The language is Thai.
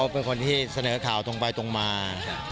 เป็นคนที่เสนอข่าวตรงไปตรงมา